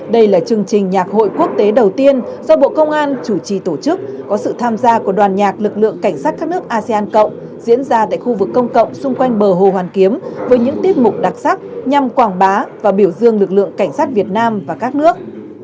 đây là chương trình nhạc hội quốc tế đầu tiên do bộ công an chủ trì tổ chức có sự tham gia của đoàn nhạc lực lượng cảnh sát các nước asean cộng diễn ra tại khu vực công cộng xung quanh bờ hồ hoàn kiếm với những tiết mục đặc sắc nhằm quảng bá và biểu dương lực lượng cảnh sát việt nam và các nước